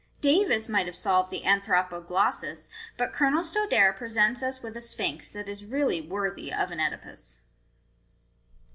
" Davus might have solved the ' Anthropoglossus,* but Colonel Stodare presents us with a Sphinx that is really worthy of an CEdipus."